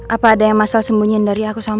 apa ada yang masal sembunyiin dari aku sama